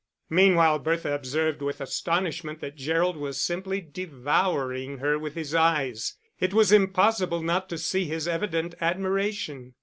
Meanwhile Bertha observed with astonishment that Gerald was simply devouring her with his eyes. It was impossible not to see his evident admiration.